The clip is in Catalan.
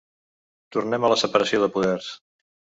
Tornem a la separació de poders.